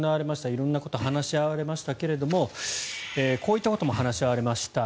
色んな話し合われましたけれどもこういったことも話し合われました。